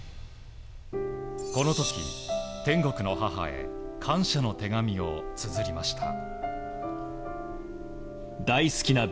この時、天国の母へ感謝の手紙をつづりました。